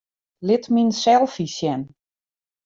Lit myn selfies sjen.